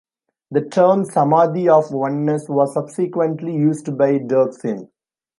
The term "Samadhi of Oneness" was subsequently used by Daoxin.